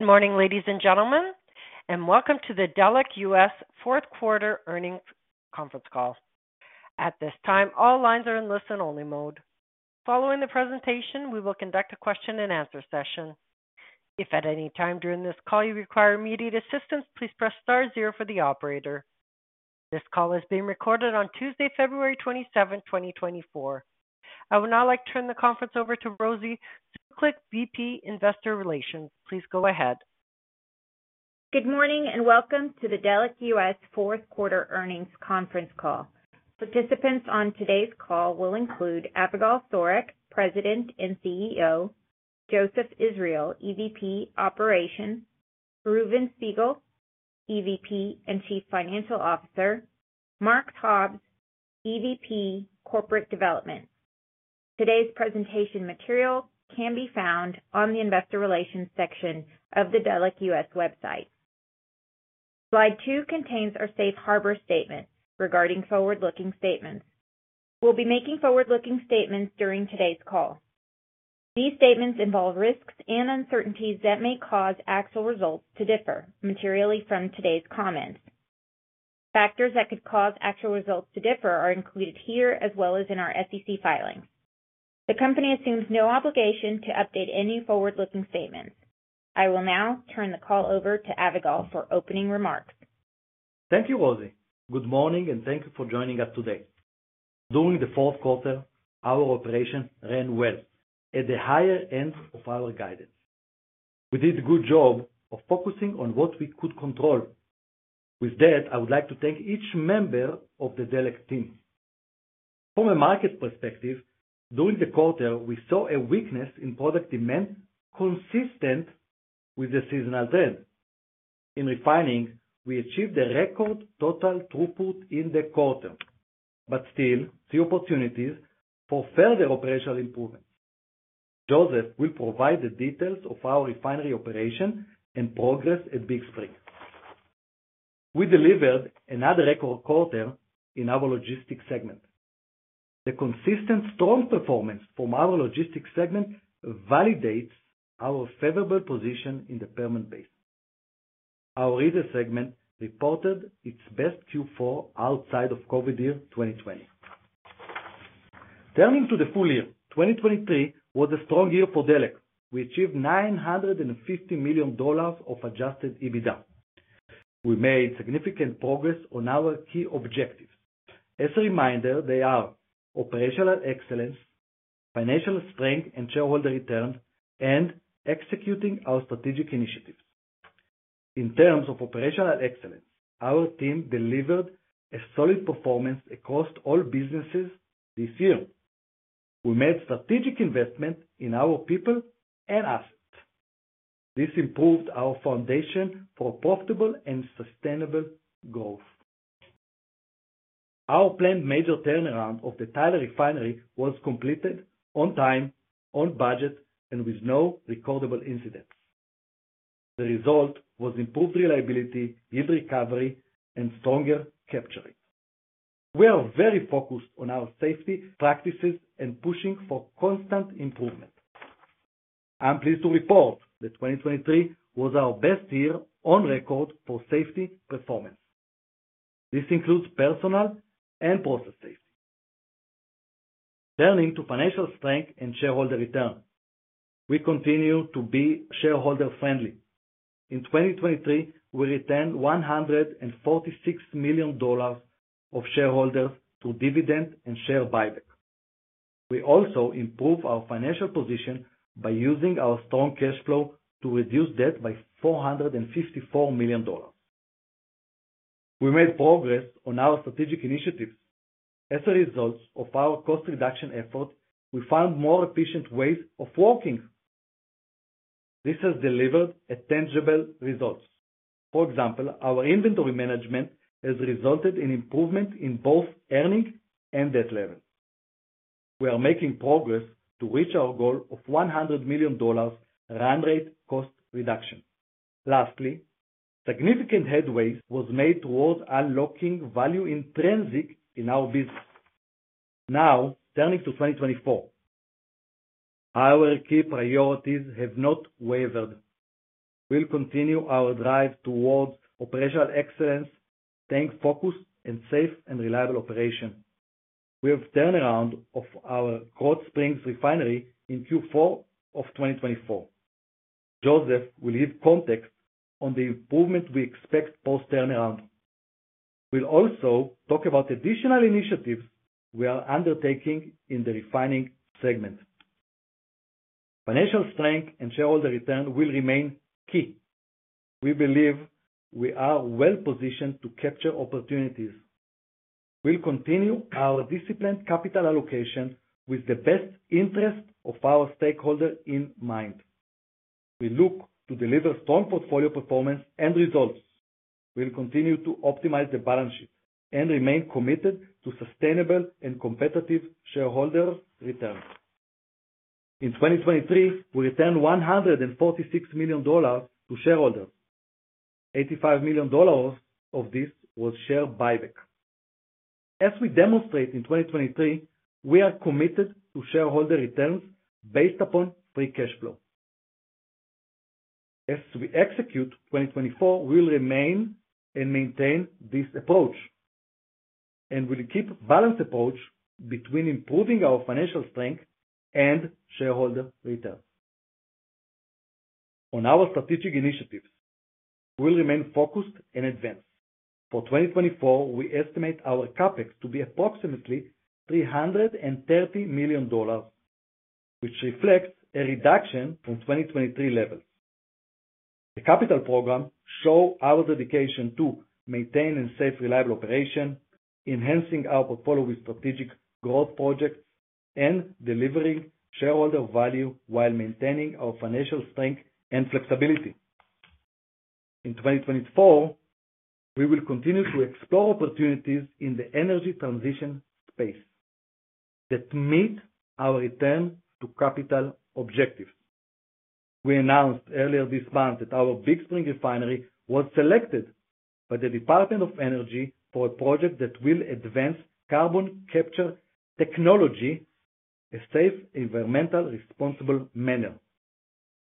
Good morning, ladies and gentlemen, and welcome to the Delek US fourth-quarter earnings conference call. At this time, all lines are in listen-only mode. Following the presentation, we will conduct a question-and-answer session. If at any time during this call you require immediate assistance, please press star zero for the operator. This call is being recorded on Tuesday, February 27, 2024. I would now like to turn the conference over to Rosy Zuklic, VP Investor Relations. Please go ahead. Good morning and welcome to the Delek US fourth-quarter earnings conference call. Participants on today's call will include Avigal Soreq, President and CEO; Joseph Israel, EVP Operations; Reuven Spiegel, EVP and Chief Financial Officer; Mark Hobbs, EVP, Corporate Development. Today's presentation material can be found on the Investor Relations section of the Delek US website. Slide 2 contains our Safe Harbor Statement regarding forward-looking statements. We'll be making forward-looking statements during today's call. These statements involve risks and uncertainties that may cause actual results to differ materially from today's comments. Factors that could cause actual results to differ are included here as well as in our SEC filings. The company assumes no obligation to update any forward-looking statements. I will now turn the call over to Avigal for opening remarks. Thank you, Rosy. Good morning and thank you for joining us today. During the fourth quarter, our operation ran well at the higher end of our guidance. We did a good job of focusing on what we could control. With that, I would like to thank each member of the Delek team. From a market perspective, during the quarter, we saw a weakness in product demand consistent with the seasonal trend. In refining, we achieved a record total throughput in the quarter, but still see opportunities for further operational improvements. Joseph will provide the details of our refinery operation and progress at Big Spring. We delivered another record quarter in our logistics segment. The consistent strong performance from our logistics segment validates our favorable position in the Permian Basin. Our renewables segment reported its best Q4 outside of COVID year 2020. Turning to the full year, 2023 was a strong year for Delek. We achieved $950 million of Adjusted EBITDA. We made significant progress on our key objectives. As a reminder, they are operational excellence, financial strength and shareholder return, and executing our strategic initiatives. In terms of operational excellence, our team delivered a solid performance across all businesses this year. We made strategic investment in our people and assets. This improved our foundation for profitable and sustainable growth. Our planned major turnaround of the Tyler refinery was completed on time, on budget, and with no recordable incidents. The result was improved reliability, yield recovery, and stronger capture rates. We are very focused on our safety practices and pushing for constant improvement. I'm pleased to report that 2023 was our best year on record for safety performance. This includes personal and process safety. Turning to financial strength and shareholder return, we continue to be shareholder-friendly. In 2023, we returned $146 million of shareholders through dividend and share buyback. We also improved our financial position by using our strong cash flow to reduce debt by $454 million. We made progress on our strategic initiatives. As a result of our cost reduction effort, we found more efficient ways of working. This has delivered tangible results. For example, our inventory management has resulted in improvement in both earning and debt levels. We are making progress to reach our goal of $100 million run rate cost reduction. Lastly, significant headway was made towards unlocking value in transit in our business. Now, turning to 2024, our key priorities have not wavered. We'll continue our drive towards operational excellence, staying focused, and safe and reliable operation. We have a turnaround of our Krotz Springs refinery in Q4 of 2024. Joseph will give context on the improvement we expect post-turnaround. We'll also talk about additional initiatives we are undertaking in the refining segment. Financial strength and shareholder return will remain key. We believe we are well positioned to capture opportunities. We'll continue our disciplined capital allocation with the best interest of our stakeholder in mind. We look to deliver strong portfolio performance and results. We'll continue to optimize the balance sheet and remain committed to sustainable and competitive shareholder returns. In 2023, we returned $146 million to shareholders. $85 million of this was share buyback. As we demonstrate in 2023, we are committed to shareholder returns based upon free cash flow. As we execute 2024, we'll remain and maintain this approach, and we'll keep a balanced approach between improving our financial strength and shareholder returns. On our strategic initiatives, we'll remain focused and advanced. For 2024, we estimate our CapEx to be approximately $330 million, which reflects a reduction from 2023 levels. The capital program shows our dedication to maintaining safe, reliable operation, enhancing our portfolio with strategic growth projects, and delivering shareholder value while maintaining our financial strength and flexibility. In 2024, we will continue to explore opportunities in the energy transition space that meet our return to capital objectives. We announced earlier this month that our Big Spring refinery was selected by the Department of Energy for a project that will advance carbon capture technology in a safe, environmentally responsible manner.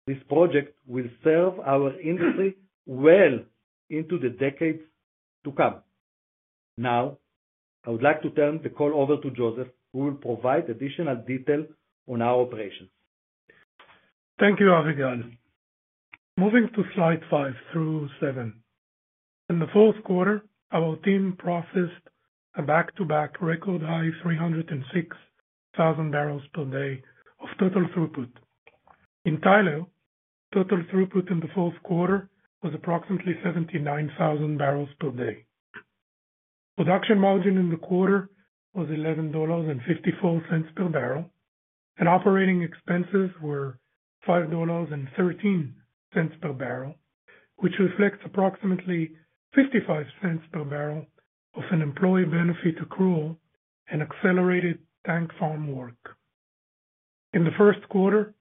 This project will serve our industry well into the decades to come. Now, I would like to turn the call over to Joseph, who will provide additional detail on our operations. Thank you, Avigal. Moving to slide 5 through 7. In the fourth quarter, our team processed a back-to-back record high of 306,000 barrels per day of total throughput. In Tyler, total throughput in the fourth quarter was approximately 79,000 barrels per day. Production margin in the quarter was $11.54 per barrel, and operating expenses were $5.13 per barrel, which reflects approximately $0.55 per barrel of an employee benefit accrual and accelerated tank farm work. In the first quarter,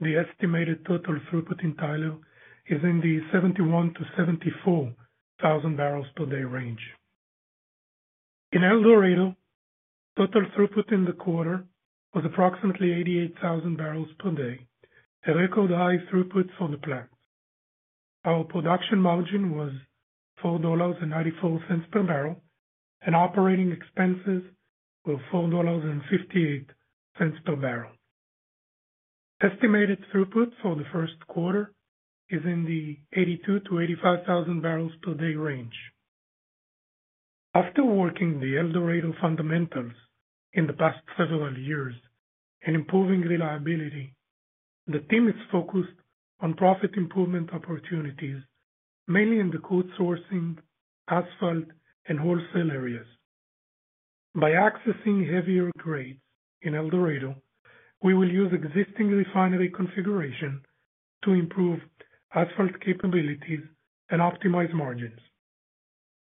the estimated total throughput in Tyler is in the 71,000-74,000 barrels per day range. In El Dorado, total throughput in the quarter was approximately 88,000 barrels per day, a record high throughput for the plant. Our production margin was $4.94 per barrel, and operating expenses were $4.58 per barrel. Estimated throughput for the first quarter is in the 82,000-85,000 barrels per day range. After working the El Dorado fundamentals in the past several years and improving reliability, the team is focused on profit improvement opportunities, mainly in the crude sourcing, asphalt, and wholesale areas. By accessing heavier grades in El Dorado, we will use existing refinery configuration to improve asphalt capabilities and optimize margins.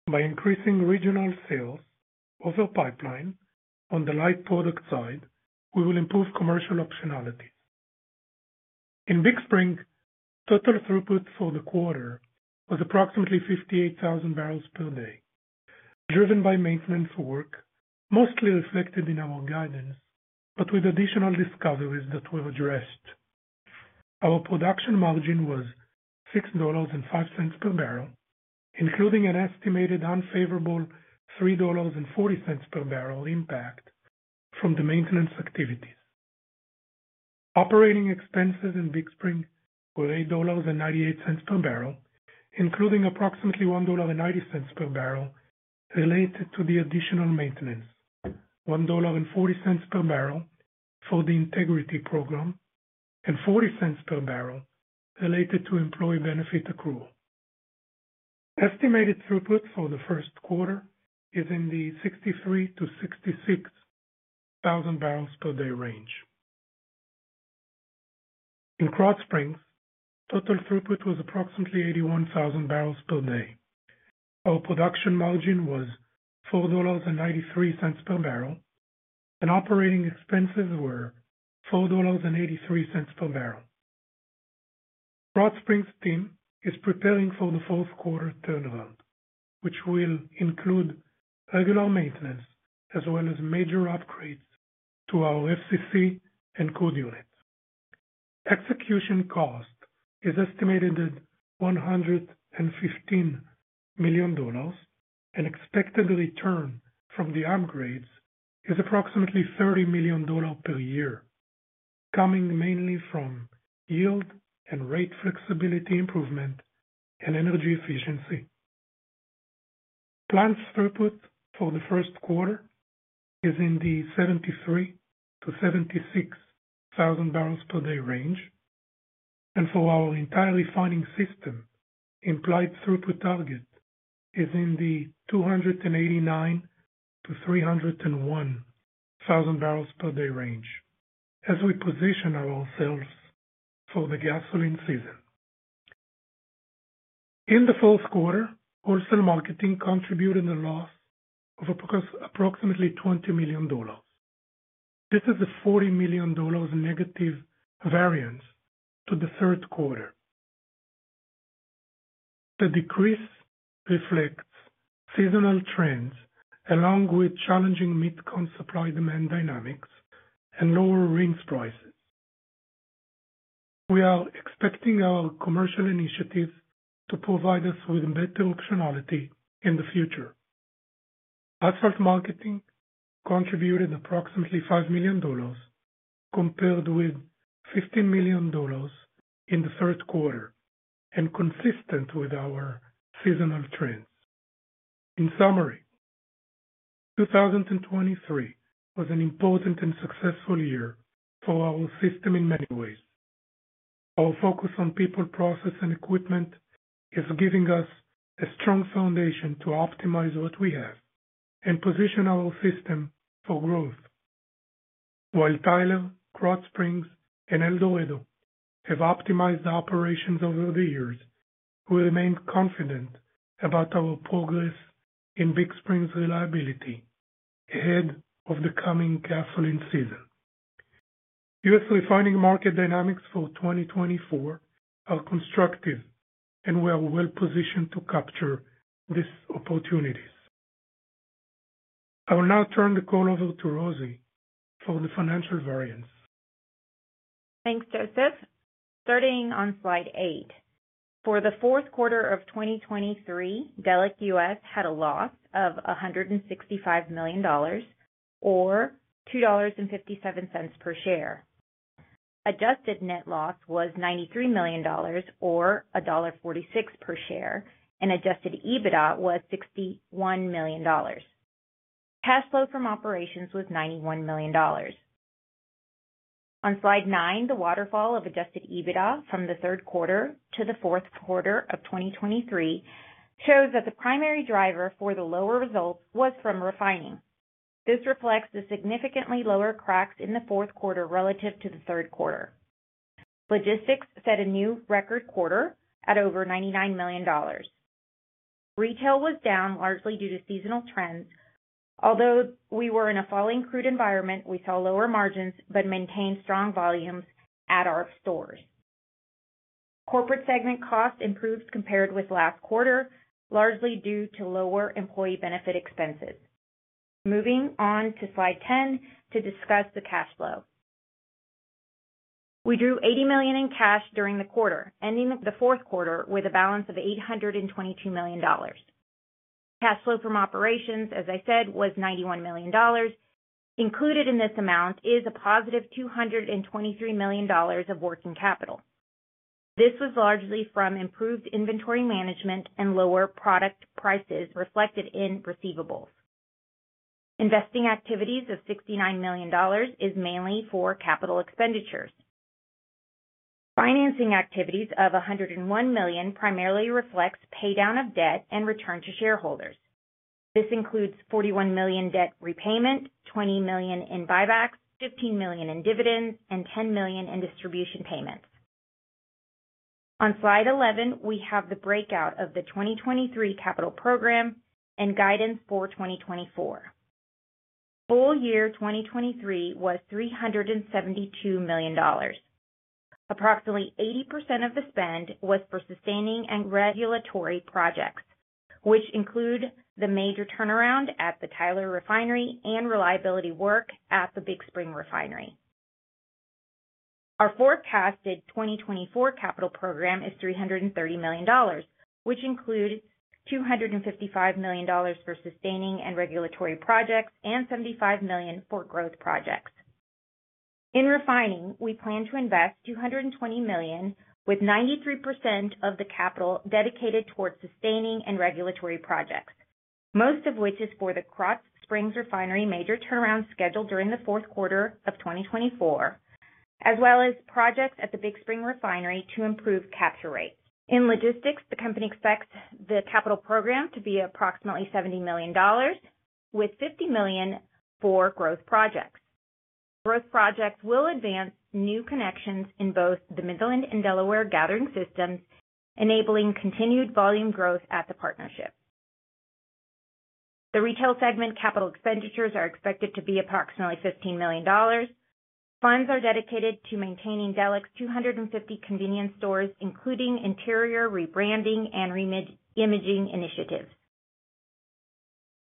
By increasing regional sales over pipeline on the light product side, we will improve commercial optionalities. In Big Spring, total throughput for the quarter was approximately 58,000 barrels per day, driven by maintenance work, mostly reflected in our guidance but with additional discoveries that were addressed. Our production margin was $6.05 per barrel, including an estimated unfavorable $3.40 per barrel impact from the maintenance activities. Operating expenses in Big Spring were $8.98 per barrel, including approximately $1.90 per barrel related to the additional maintenance, $1.40 per barrel for the integrity program, and $0.40 per barrel related to employee benefit accrual. Estimated throughput for the first quarter is in the 63,000-66,000 barrels per day range. In Krotz Springs, total throughput was approximately 81,000 barrels per day. Our production margin was $4.93 per barrel, and operating expenses were $4.83 per barrel. Krotz Springs' team is preparing for the fourth quarter turnaround, which will include regular maintenance as well as major upgrades to our FCC and coker unit. Execution cost is estimated at $115 million, and expected return from the upgrades is approximately $30 million per year, coming mainly from yield and rate flexibility improvement and energy efficiency. Plant's throughput for the first quarter is in the 73,000-76,000 barrels per day range, and for our entire refining system, implied throughput target is in the 289,000-301,000 barrels per day range as we position ourselves for the gasoline season. In the fourth quarter, wholesale marketing contributed a loss of approximately $20 million. This is a $40 million negative variance to the third quarter. The decrease reflects seasonal trends along with challenging Mid-Con supply-demand dynamics and lower RINs prices. We are expecting our commercial initiatives to provide us with better optionality in the future. Asphalt marketing contributed approximately $5 million compared with $15 million in the third quarter and consistent with our seasonal trends. In summary, 2023 was an important and successful year for our system in many ways. Our focus on people, process, and equipment is giving us a strong foundation to optimize what we have and position our system for growth. While Tyler, Krotz Springs, and El Dorado have optimized operations over the years, we remain confident about our progress in Big Spring's reliability ahead of the coming gasoline season. U.S. refining market dynamics for 2024 are constructive, and we are well positioned to capture these opportunities. I will now turn the call over to Reuven for the financial variance. Thanks, Joseph. Starting on slide 8, for the fourth quarter of 2023, Delek US had a loss of $165 million or $2.57 per share. Adjusted net loss was $93 million or $1.46 per share, and Adjusted EBITDA was $61 million. Cash flow from operations was $91 million. On slide 9, the waterfall of Adjusted EBITDA from the third quarter to the fourth quarter of 2023 shows that the primary driver for the lower results was from refining. This reflects the significantly lower cracks in the fourth quarter relative to the third quarter. Logistics set a new record quarter at over $99 million. Retail was down largely due to seasonal trends. Although we were in a falling crude environment, we saw lower margins but maintained strong volumes at our stores. Corporate segment cost improved compared with last quarter, largely due to lower employee benefit expenses. Moving on to slide 10 to discuss the cash flow. We drew $80 million in cash during the quarter, ending the fourth quarter with a balance of $822 million. Cash flow from operations, as I said, was $91 million. Included in this amount is a positive $223 million of working capital. This was largely from improved inventory management and lower product prices reflected in receivables. Investing activities of $69 million is mainly for capital expenditures. Financing activities of $101 million primarily reflects paydown of debt and return to shareholders. This includes $41 million debt repayment, $20 million in buybacks, $15 million in dividends, and $10 million in distribution payments. On slide 11, we have the breakout of the 2023 capital program and guidance for 2024. Full year 2023 was $372 million. Approximately 80% of the spend was for sustaining and regulatory projects, which include the major turnaround at the Tyler refinery and reliability work at the Big Spring refinery. Our forecasted 2024 capital program is $330 million, which includes $255 million for sustaining and regulatory projects and $75 million for growth projects. In refining, we plan to invest $220 million, with 93% of the capital dedicated towards sustaining and regulatory projects, most of which is for the Krotz Springs refinery major turnaround scheduled during the fourth quarter of 2024, as well as projects at the Big Spring refinery to improve capture rates. In logistics, the company expects the capital program to be approximately $70 million, with $50 million for growth projects. Growth projects will advance new connections in both the Midland and Delaware gathering systems, enabling continued volume growth at the partnership. The retail segment capital expenditures are expected to be approximately $15 million. Funds are dedicated to maintaining Delek's 250 convenience stores, including interior rebranding and re-imaging initiatives.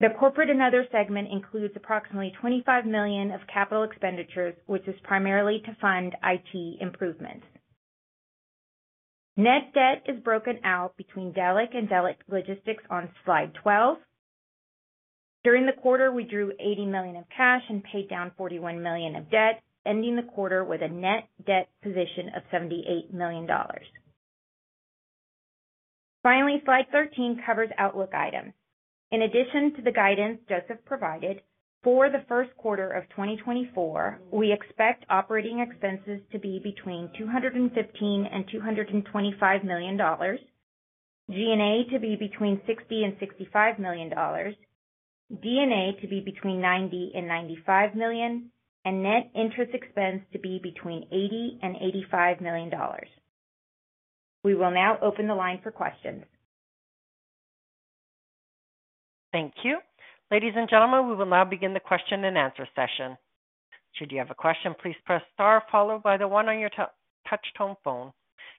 The corporate and other segment includes approximately $25 million of capital expenditures, which is primarily to fund IT improvements. Net debt is broken out between Delek and Delek Logistics on slide 12. During the quarter, we drew $80 million of cash and paid down $41 million of debt, ending the quarter with a net debt position of $78 million. Finally, slide 13 covers outlook items. In addition to the guidance Joseph provided, for the first quarter of 2024, we expect operating expenses to be between $215 million-$225 million, G&A to be between $60 million-$65 million, D&A to be between $90 million-$95 million, and net interest expense to be between $80 million-$85 million. We will now open the line for questions. Thank you. Ladies and gentlemen, we will now begin the question and answer session. Should you have a question, please press star followed by the one on your touch tone phone.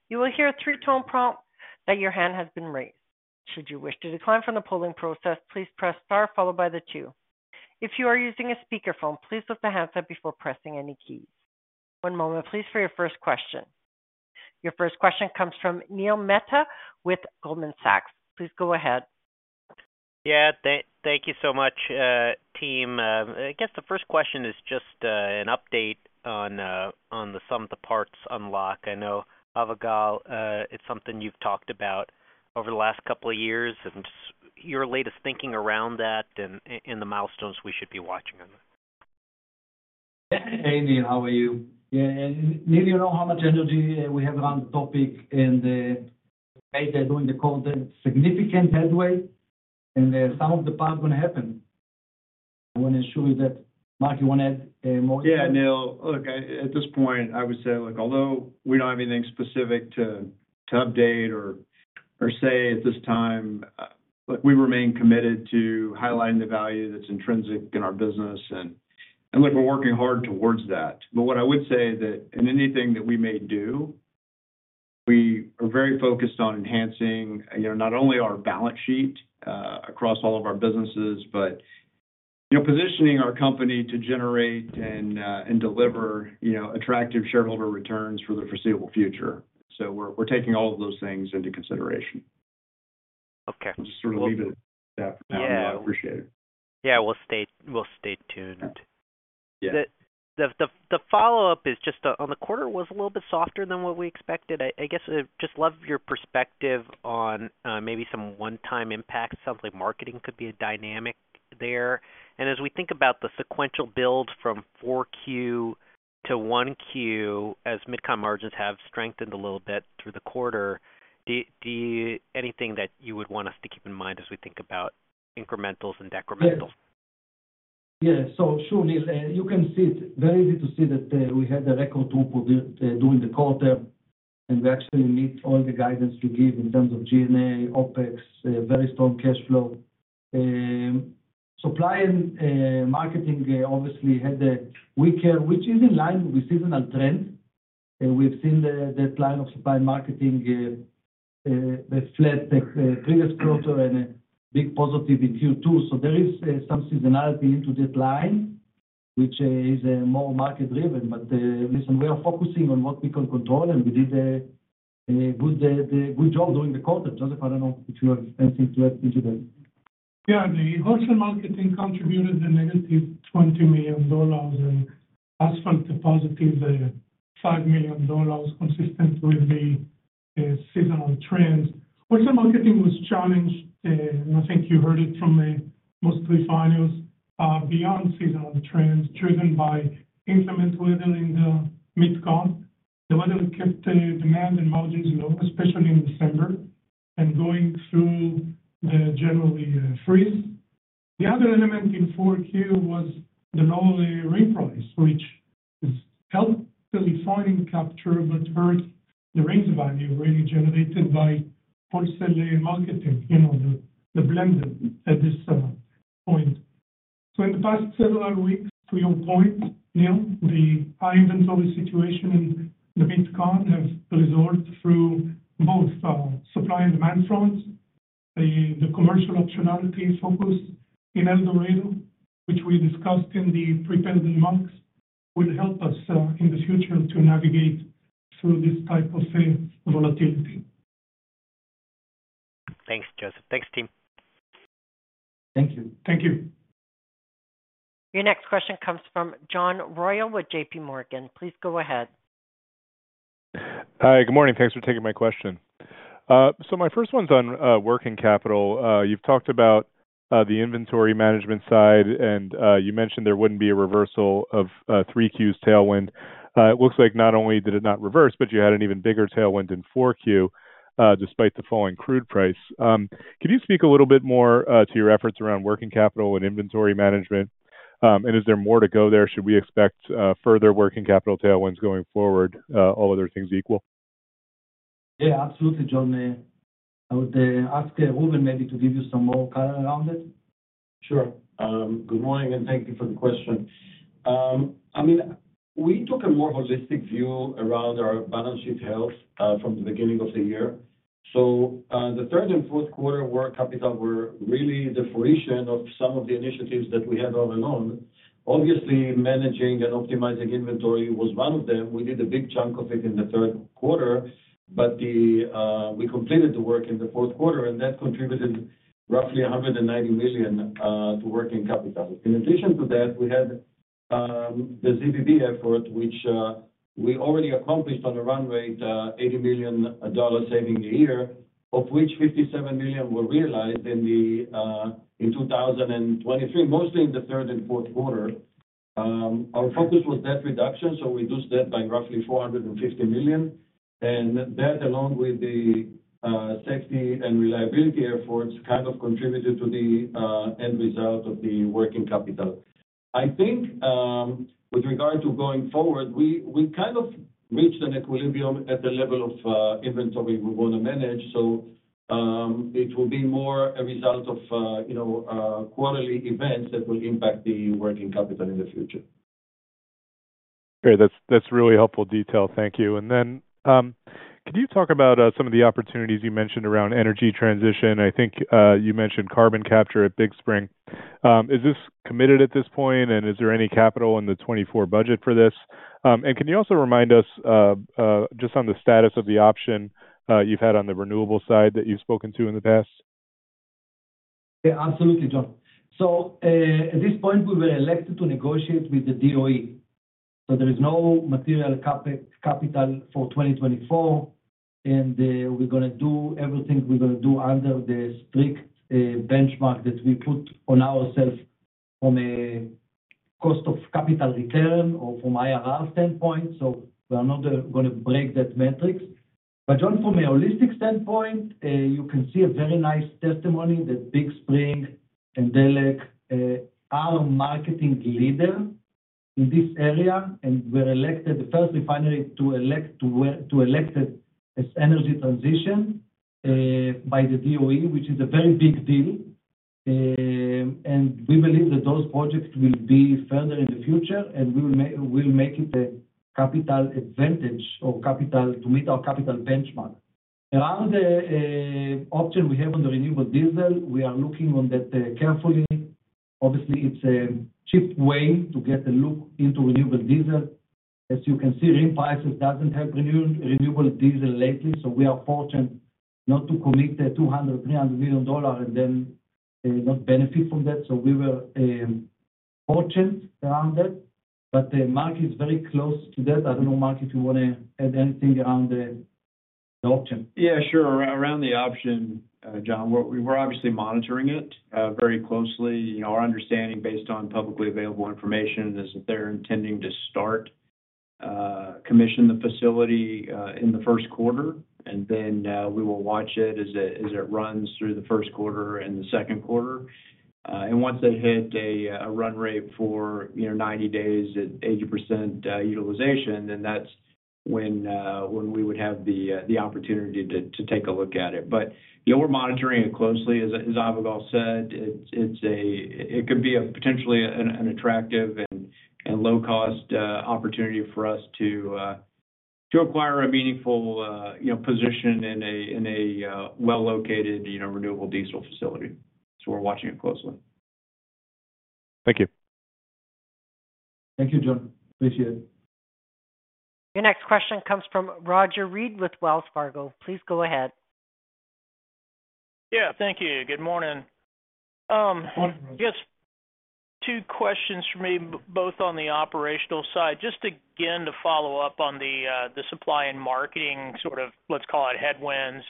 You will hear a three-tone prompt that your hand has been raised. Should you wish to decline from the polling process, please press star followed by the two. If you are using a speakerphone, please lift the handset before pressing any keys. One moment, please, for your first question. Your first question comes from Neil Mehta with Goldman Sachs. Please go ahead. Yeah, thank you so much, team. I guess the first question is just an update on the Sum of the Parts unlock. I know, Avigal, it's something you've talked about over the last couple of years and your latest thinking around that and the milestones we should be watching on that. Hey, Neil. How are you? Yeah, Neil, you know how much energy we have around the topic and the way they're doing the call. A significant headway, and some of the parts are going to happen. I want to assure you that. Mark, you want to add more? Yeah, Neil. Look, at this point, I would say, although we don't have anything specific to update or say at this time, we remain committed to highlighting the value that's intrinsic in our business, and we're working hard towards that. But what I would say that. Anything that we may do, we are very focused on enhancing not only our balance sheet across all of our businesses but positioning our company to generate and deliver attractive shareholder returns for the foreseeable future. So we're taking all of those things into consideration. I'll just sort of leave it at that for now. I appreciate it. Yeah, we'll stay tuned. The follow-up is just on the quarter was a little bit softer than what we expected. I guess I'd just love your perspective on maybe some one-time impacts. Sounds like marketing could be a dynamic there. And as we think about the sequential build from 4Q to 1Q, as Mid-Con margins have strengthened a little bit through the quarter, do you anything that you would want us to keep in mind as we think about incrementals and decrementals? Yeah. So sure, Neil. You can see it. Very easy to see that we had a record drop during the quarter, and we actually met all the guidance you gave in terms of G&A, OpEx, very strong cash flow. Supply and marketing, obviously, had a weaker, which is in line with the seasonal trend. We've seen the decline of supply and marketing flat the previous quarter and a big positive in Q2. So there is some seasonality into decline, which is more market-driven. But listen, we are focusing on what we can control, and we did a good job during the quarter. Joseph, I don't know if you have anything to add to that. Yeah, the wholesale marketing contributed a negative $20 million and asphalt a positive $5 million, consistent with the seasonal trends. Wholesale marketing was challenged, and I think you heard it from most refiners, beyond seasonal trends driven by inclement weather in the Mid-Con. The weather kept demand and margins low, especially in December, and going through the general freeze. The other element in 4Q was the lower RIN price, which helped the refining capture but hurt the RINs value really generated by wholesale marketing, the blender at this point. So in the past several weeks, to your point, Neil, the high inventory situation in the Mid-Con have resolved through both supply and demand fronts. The commercial optionality focus in El Dorado, which we discussed in the prepared remarks, will help us in the future to navigate through this type of volatility. Thanks, Joseph. Thanks, team. Thank you. Thank you. Your next question comes from John Royall with JPMorgan. Please go ahead. Hi, good morning. Thanks for taking my question. My first one's on working capital. You've talked about the inventory management side, and you mentioned there wouldn't be a reversal of 3Q's tailwind. It looks like not only did it not reverse, but you had an even bigger tailwind in 4Q despite the falling crude price. Can you speak a little bit more to your efforts around working capital and inventory management? And is there more to go there? Should we expect further working capital tailwinds going forward, all other things equal? Yeah, absolutely, John. I would ask Reuven maybe to give you some more color around it. Sure. Good morning, and thank you for the question. I mean, we took a more holistic view around our balance sheet health from the beginning of the year. So the third and fourth quarter were really the fruition of some of the initiatives that we had all along. Obviously, managing and optimizing inventory was one of them. We did a big chunk of it in the third quarter, but we completed the work in the fourth quarter, and that contributed roughly $190 million to working capital. In addition to that, we had the ZBB effort, which we already accomplished on a run rate, $80 million saving a year, of which $57 million were realized in 2023, mostly in the third and fourth quarter. Our focus was debt reduction, so we reduced debt by roughly $450 million. And that, along with the safety and reliability efforts, kind of contributed to the end result of the working capital. I think with regard to going forward, we kind of reached an equilibrium at the level of inventory we want to manage. So it will be more a result of quarterly events that will impact the working capital in the future. Great. That's really helpful detail. Thank you. And then could you talk about some of the opportunities you mentioned around energy transition? I think you mentioned carbon capture at Big Spring. Is this committed at this point, and is there any capital in the 2024 budget for this? And can you also remind us just on the status of the option you've had on the renewable side that you've spoken to in the past? Yeah, absolutely, John. So at this point, we were elected to negotiate with the DOE. So there is no material capital for 2024, and we're going to do everything we're going to do under the strict benchmark that we put on ourselves from a cost of capital return or from IRR standpoint. So we are not going to break that metrics. But John, from a holistic standpoint, you can see a very nice testimony that Big Spring and Delek are market leaders in this area, and we're elected, the first refinery to elect to elect as energy transition by the DOE, which is a very big deal. And we believe that those projects will be further in the future, and we will make it a capital advantage or capital to meet our capital benchmark. Around the option we have on the renewable diesel, we are looking on that carefully. Obviously, it's a cheap way to get a look into renewable diesel. As you can see, RIN prices don't help renewable diesel lately, so we are fortunate not to commit $200 million, $300 million, and then not benefit from that. So we were fortunate around that. But Mark is very close to that. I don't know, Mark, if you want to add anything around the option. Yeah, sure. Around the option, John, we're obviously monitoring it very closely. Our understanding based on publicly available information is that they're intending to start commissioning the facility in the first quarter, and then we will watch it as it runs through the first quarter and the second quarter. Once they hit a run rate for 90 days at 80% utilization, then that's when we would have the opportunity to take a look at it. But we're monitoring it closely. As Avigal said, it could be potentially an attractive and low-cost opportunity for us to acquire a meaningful position in a well-located renewable diesel facility. So we're watching it closely. Thank you. Thank you, John. Appreciate it. Your next question comes from Roger Read with Wells Fargo. Please go ahead. Yeah, thank you. Good morning. I guess two questions for me, both on the operational side. Just again, to follow up on the supply and marketing sort of, let's call it, headwinds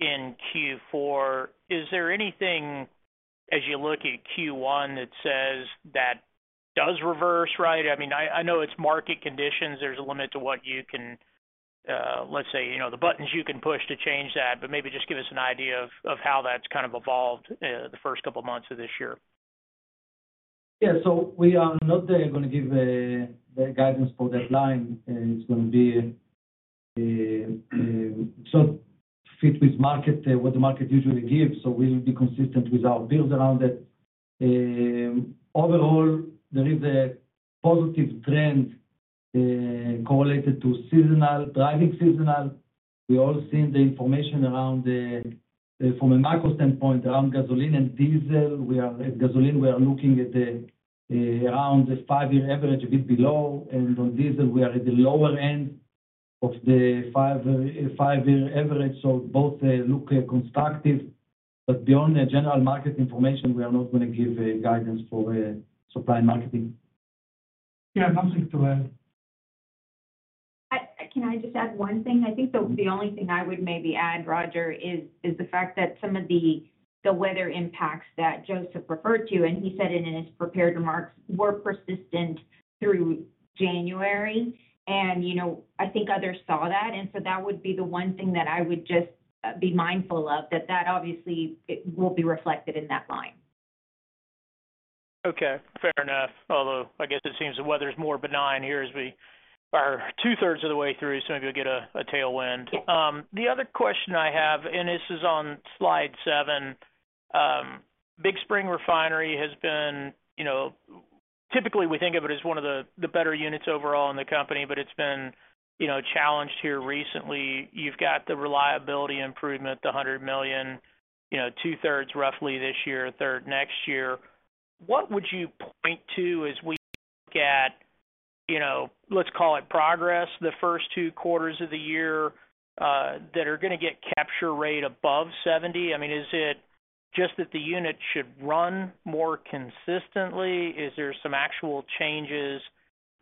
in Q4, is there anything, as you look at Q1, that says that does reverse, right? I mean, I know it's market conditions. There's a limit to what you can, let's say, the buttons you can push to change that, but maybe just give us an idea of how that's kind of evolved the first couple of months of this year. Yeah, so we are not going to give the guidance for deadline. It's going to be. It's not fit with what the market usually gives, so we'll be consistent with our build around it. Overall, there is a positive trend correlated to driving seasonal. We all seen the information around from a macro standpoint around gasoline and diesel. At gasoline, we are looking at around the five-year average a bit below, and on diesel, we are at the lower end of the five-year average. So both look constructive. But beyond general market information, we are not going to give guidance for supply and marketing. Yeah, nothing to add. Can I just add one thing? I think the only thing I would maybe add, Roger, is the fact that some of the weather impacts that Joseph referred to, and he said it in his prepared remarks, were persistent through January. I think others saw that. So that would be the one thing that I would just be mindful of, that that obviously will be reflected in that line. Okay, fair enough. Although I guess it seems the weather's more benign here as we are two-thirds of the way through, so maybe we'll get a tailwind. The other question I have, and this is on slide 7, Big Spring refinery has been typically, we think of it as one of the better units overall in the company, but it's been challenged here recently. You've got the reliability improvement, the $100 million, two-thirds roughly this year, a third next year. What would you point to as we look at, let's call it, progress the first two quarters of the year that are going to get capture rate above 70%? I mean, is it just that the unit should run more consistently? Is there some actual changes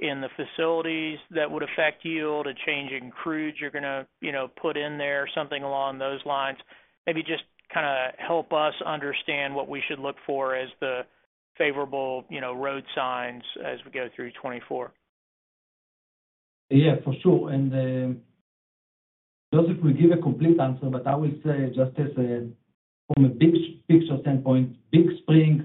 in the facilities that would affect yield, a change in crude you're going to put in there, something along those lines? Maybe just kind of help us understand what we should look for as the favorable road signs as we go through 2024. Yeah, for sure. Joseph, we give a complete answer, but I will say just from a big picture standpoint, Big Spring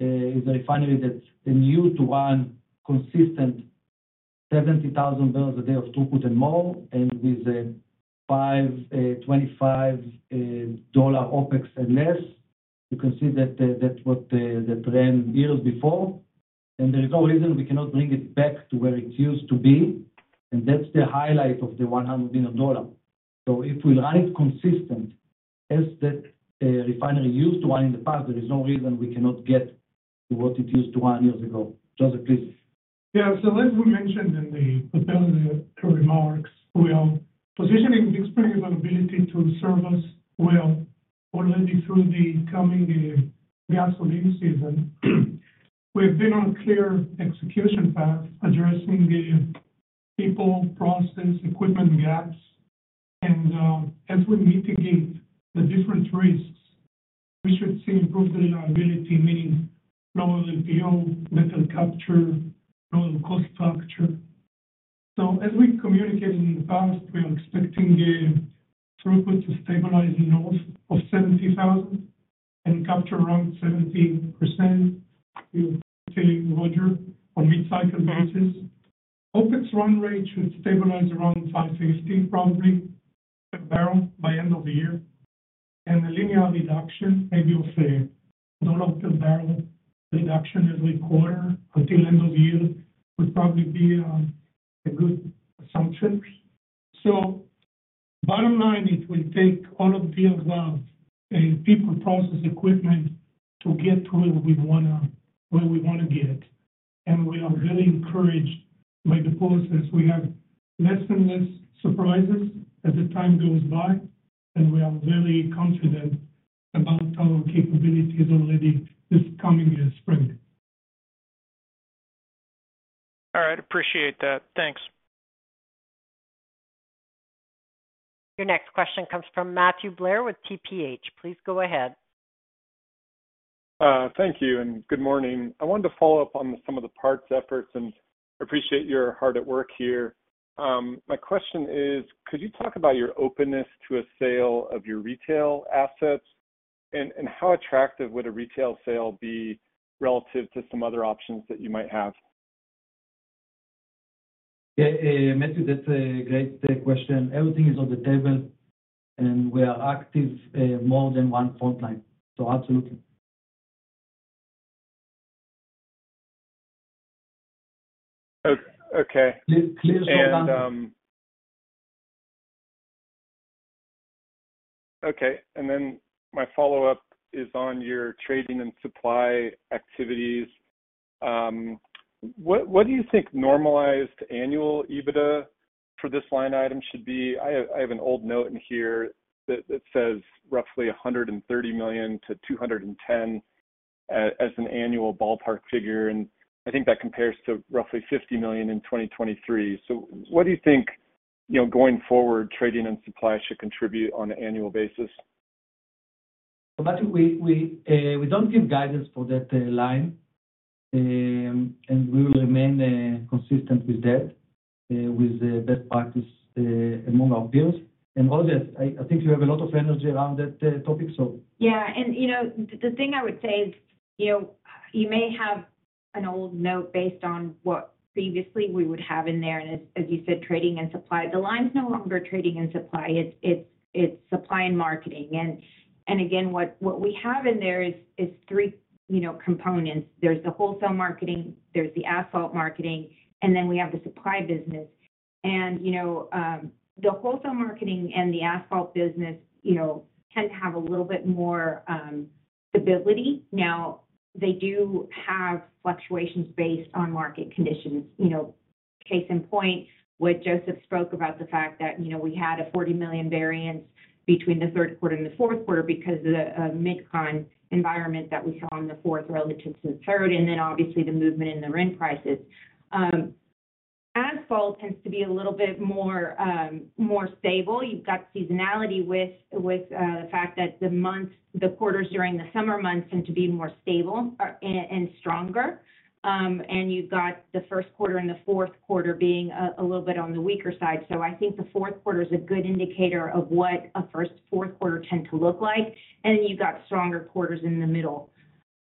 is a refinery that's new to run consistent $70,000 a day of throughput and more, and with $25 OpEx and less, you can see that what the trend years before. There is no reason we cannot bring it back to where it used to be. That's the highlight of the $100 million. So if we run it consistent as that refinery used to run in the past, there is no reason we cannot get to what it used to run years ago. Joseph, please. Yeah, so as we mentioned in the preparatory remarks, positioning Big Spring's ability to service well already through the coming gasoline season. We have been on a clear execution path addressing people, process, equipment gaps. And as we mitigate the different risks, we should see improved reliability, meaning lower LPO, better capture, lower cost structure. So as we communicated in the past, we are expecting throughput to stabilize north of 70,000 and capture around 70%, to tell you, Roger, on mid-cycle basis. OpEx run rate should stabilize around $550, probably, per barrel by end of the year. And a linear reduction, maybe of $1 per barrel reduction every quarter until end of the year, would probably be a good assumption. So bottom line, it will take all of the above, people, process, equipment, to get where we want to get. And we are very encouraged by the process. We have less and less surprises as the time goes by, and we are very confident about our capabilities already this coming spring. All right. Appreciate that. Thanks. Your next question comes from Matthew Blair with TPH. Please go ahead. Thank you and good morning. I wanted to follow up on some of the past efforts and appreciate your hard work here. My question is, could you talk about your openness to a sale of your retail assets? And how attractive would a retail sale be relative to some other options that you might have? Yeah, Matthew, that's a great question. Everything is on the table, and we are active more than one frontline. So absolutely. Okay. Clear short run. Okay. And then my follow-up is on your trading and supply activities. What do you think normalized annual EBITDA for this line item should be? I have an old note in here that says roughly $130 million-$210 million as an annual ballpark figure. And I think that compares to roughly $50 million in 2023. So what do you think going forward, trading and supply should contribute on an annual basis? So Matthew, we don't give guidance for that line, and we will remain consistent with that, with best practice among our peers. And Rosy, I think you have a lot of energy around that topic, so. Yeah. And the thing I would say is you may have an old note based on what previously we would have in there. And as you said, trading and supply, the line's no longer trading and supply. It's supply and marketing. And again, what we have in there is three components. There's the wholesale marketing, there's the asphalt marketing, and then we have the supply business. And the wholesale marketing and the asphalt business tend to have a little bit more stability. Now, they do have fluctuations based on market conditions. Case in point, what Joseph spoke about, the fact that we had a $40 million variance between the third quarter and the fourth quarter because of the Mid-Con environment that we saw in the fourth relative to the third, and then obviously the movement in the Brent prices. Asphalt tends to be a little bit more stable. You've got seasonality with the fact that the quarters during the summer months tend to be more stable and stronger. And you've got the first quarter and the fourth quarter being a little bit on the weaker side. So I think the fourth quarter is a good indicator of what a first fourth quarter tends to look like. And then you've got stronger quarters in the middle.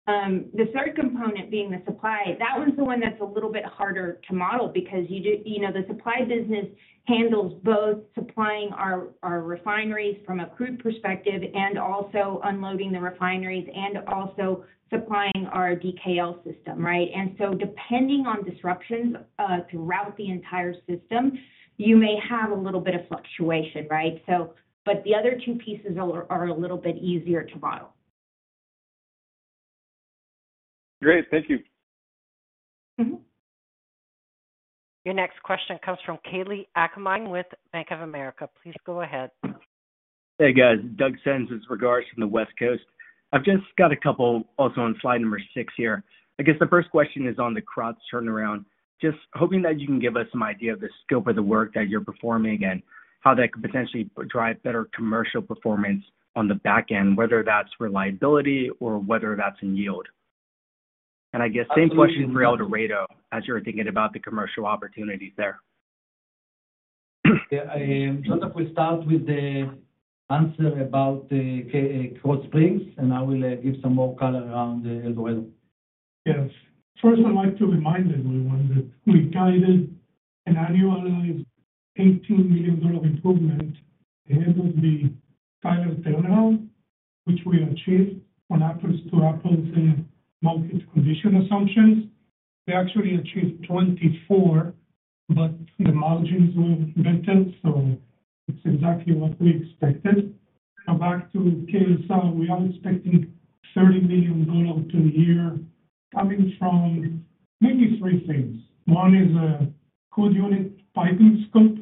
The third component being the supply, that one's the one that's a little bit harder to model because the supply business handles both supplying our refineries from a crude perspective and also unloading the refineries and also supplying our DKL system, right? And so depending on disruptions throughout the entire system, you may have a little bit of fluctuation, right? But the other two pieces are a little bit easier to model. Great. Thank you. Your next question comes from Kalei Akamine with Bank of America. Please go ahead. Hey, guys. Doug sends his with regards from the West Coast. I've just got a couple also on slide number 6 here. I guess the first question is on the Krotz turnaround, just hoping that you can give us an idea of the scope of the work that you're performing and how that could potentially drive better commercial performance on the back end, whether that's reliability or whether that's in yield. And I guess same question for El Dorado as you're thinking about the commercial opportunities there. Yeah. Joseph, we'll start with the answer about Krotz Springs, and I will give some more color around El Dorado. Yes. First, I'd like to remind everyone that we guided an annualized $18 million improvement ahead of the pilot turnaround, which we achieved on apples to apples market condition assumptions. We actually achieved $24 million, but the margins were better, so it's exactly what we expected. Now, back to KSR, we are expecting $30 million per year coming from maybe three things. One is a crude unit piping scope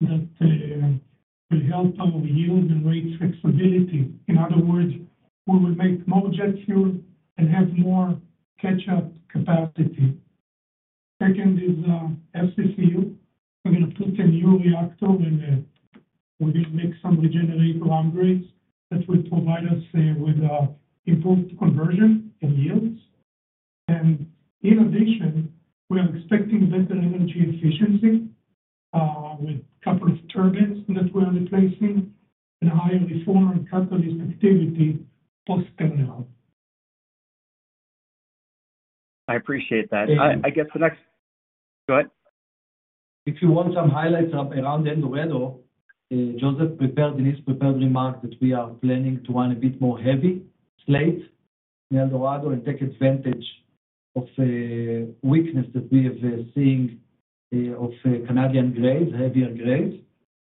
that will help our yield and rate flexibility. In other words, we will make more jet fuel and have more catch-up capacity. Second is FCCU. We're going to put a new reactor, and we're going to make some regenerator upgrades that will provide us with improved conversion and yields. And in addition, we are expecting better energy efficiency with a couple of turbines that we are replacing and higher reformer and catalyst activity post-turnaround. I appreciate that. I guess the next go ahead. If you want some highlights around El Dorado, Joseph prepared in his prepared remark that we are planning to run a bit more heavy slate in El Dorado and take advantage of weakness that we are seeing of Canadian grades, heavier grades.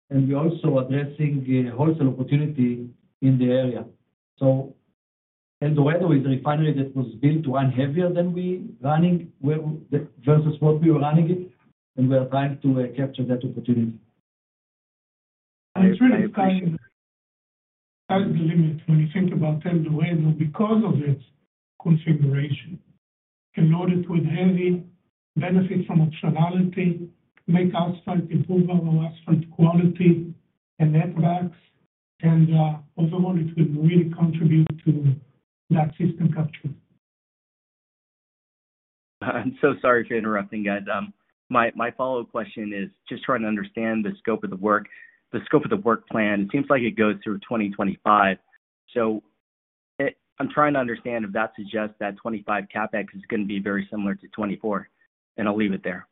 We're also addressing wholesale opportunity in the area. El Dorado is a refinery that was built to run heavier than we were running versus what we were running it, and we are trying to capture that opportunity. It's really kind of that's the limit when you think about El Dorado because of its configuration. Can load it with heavy, benefit from optionality, make asphalt, improve our asphalt quality, and netbacks. And overall, it will really contribute to that system capture. I'm so sorry for interrupting, guys. My follow-up question is just trying to understand the scope of the work. The scope of the work plan, it seems like it goes through 2025. So I'm trying to understand if that suggests that 2025 CapEx is going to be very similar to 2024. And I'll leave it there.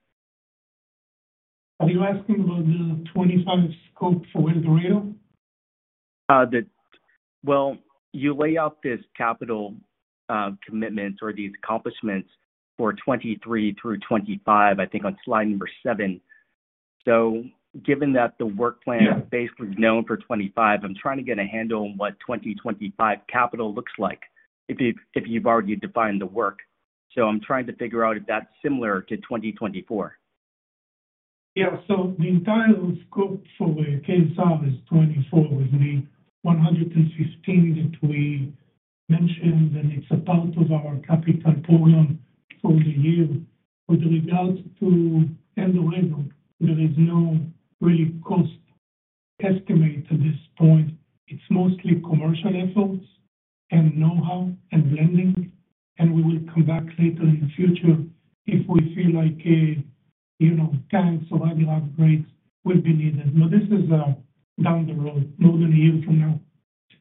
Are you asking about the 2025 scope for El Dorado? Well, you lay out this capital commitment or these accomplishments for 2023 through 2025, I think, on slide number 7. So given that the work plan is basically known for 2025, I'm trying to get a handle on what 2025 capital looks like if you've already defined the work. So I'm trying to figure out if that's similar to 2024. Yeah. So the entire scope for KSR is 2024 with the $115 that we mentioned, and it's a part of our capital program for the year. With regards to El Dorado, there is no real cost estimate at this point. It's mostly commercial efforts and know-how and blending. We will come back later in the future if we feel like tanks or aggregate upgrades will be needed. But this is down the road, more than a year from now.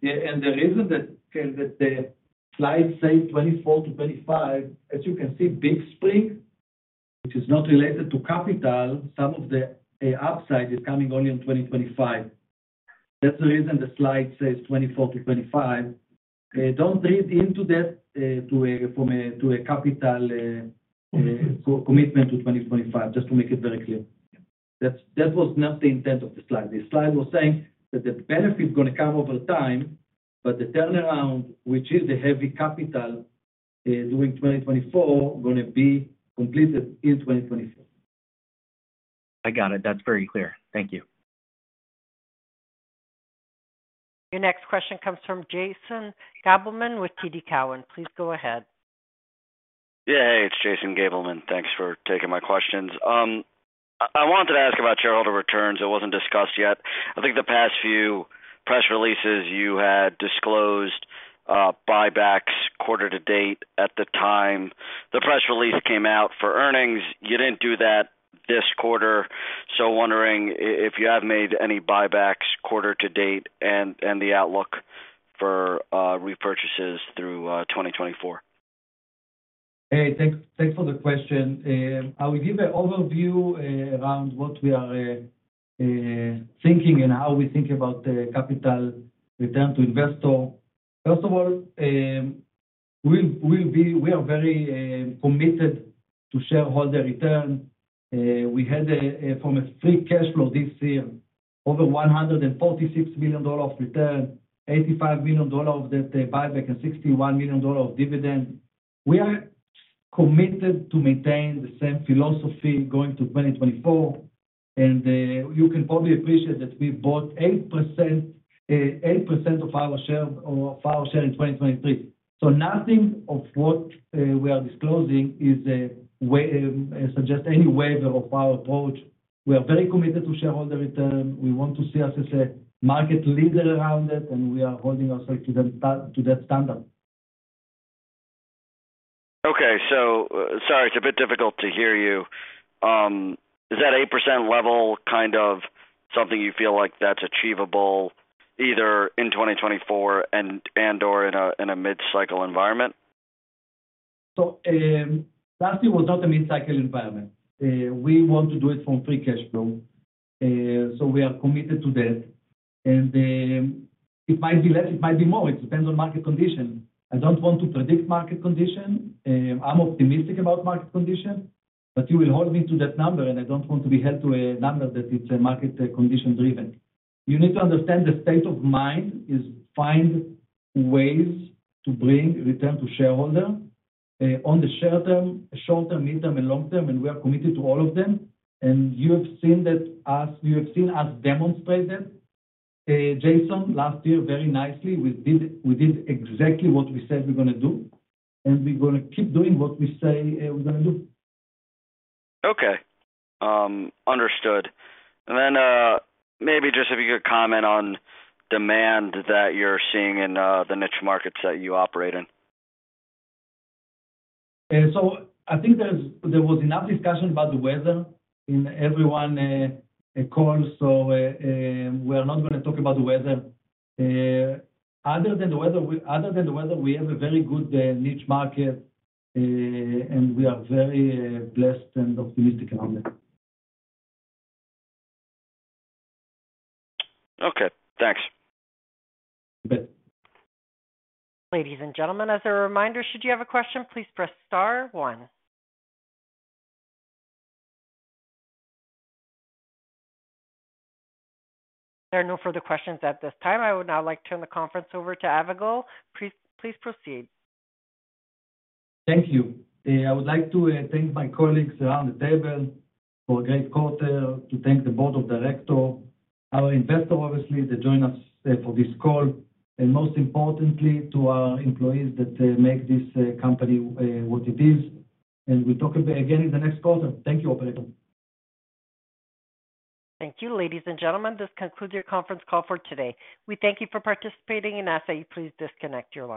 Yeah. And the reason that the slide says 2024 to 2025, as you can see, Big Spring, which is not related to capital, some of the upside is coming only in 2025. That's the reason the slide says 2024 to 2025. Don't read into that from a capital commitment to 2025, just to make it very clear. That was not the intent of the slide. The slide was saying that the benefit is going to come over time, but the turnaround, which is the heavy capital during 2024, is going to be completed in 2024. I got it. That's very clear. Thank you. Your next question comes from Jason Gabelman with TD Cowen. Please go ahead. Yeah. Hey, it's Jason Gabelman. Thanks for taking my questions. I wanted to ask about shareholder returns. It wasn't discussed yet. I think the past few press releases, you had disclosed buybacks quarter to date at the time. The press release came out for earnings. You didn't do that this quarter. So wondering if you have made any buybacks quarter to date and the outlook for repurchases through 2024. Hey, thanks for the question. I will give an overview around what we are thinking and how we think about capital return to investor. First of all, we are very committed to shareholder return. We had, from a free cash flow this year, over $146 million of return, $85 million of that buyback, and $61 million of dividend. We are committed to maintain the same philosophy going to 2024. You can probably appreciate that we bought 8% of our share in 2023. Nothing of what we are disclosing suggests any waiver of our approach. We are very committed to shareholder return. We want to see us as a market leader around it, and we are holding ourselves to that standard. Okay. So sorry, it's a bit difficult to hear you. Is that 8% level kind of something you feel like that's achievable either in 2024 and/or in a mid-cycle environment? So last year was not a mid-cycle environment. We want to do it from free cash flow. So we are committed to that. And it might be less. It might be more. It depends on market condition. I don't want to predict market condition. I'm optimistic about market condition, but you will hold me to that number, and I don't want to be held to a number that it's market condition-driven. You need to understand the state of mind is find ways to bring return to shareholder on the short term, mid term, and long term, and we are committed to all of them. And you have seen that us you have seen us demonstrate that. Jason, last year, very nicely, we did exactly what we said we're going to do, and we're going to keep doing what we say we're going to do. Okay. Understood. And then maybe just if you could comment on demand that you're seeing in the niche markets that you operate in? So, I think there was enough discussion about the weather in every call, so we are not going to talk about the weather. Other than the weather, other than the weather, we have a very good niche market, and we are very blessed and optimistic around it. Okay. Thanks. You bet. Ladies and gentlemen, as a reminder, should you have a question, please press star one. There are no further questions at this time. I would now like to turn the conference over to Avigal. Please proceed. Thank you. I would like to thank my colleagues around the table for a great quarter, to thank the board of director, our investor, obviously, that joined us for this call, and most importantly, to our employees that make this company what it is. We'll talk again in the next quarter. Thank you, operator. Thank you. Ladies and gentlemen, this concludes your conference call for today. We thank you for participating, and as I say, please disconnect your line.